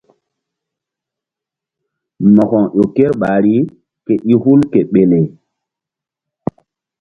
Mo̧ko ƴo ker ɓahri ke i hu ke ɓele.